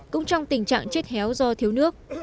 cũng trong tình trạng chết héo do thiếu nước